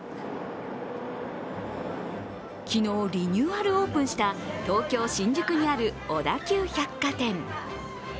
昨日リニューアルオープンした東京・新宿にある小田急百貨店。